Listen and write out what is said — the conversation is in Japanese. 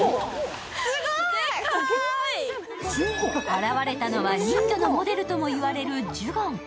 現れたのは、人魚のモデルともいわれるジュゴン。